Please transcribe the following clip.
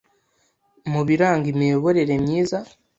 mu biranga imiyoborere myiza